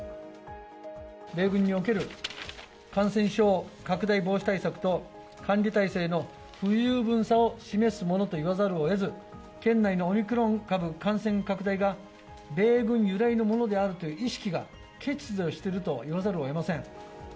米軍における感染症拡大防止対策と、管理態勢の不十分さを示すものと言わざるをえず、県内のオミクロン株感染拡大が米軍由来のものであるという意識が欠如していると言わざるをえません。